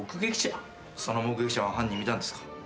その目撃者は犯人見たんですか？